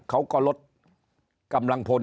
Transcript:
เขาก็ลดกำลังพล